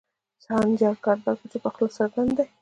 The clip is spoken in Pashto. خنجر کردار پۀ چپه خله څرګند دے